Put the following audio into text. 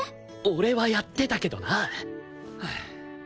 俺はやってたけどなはあ。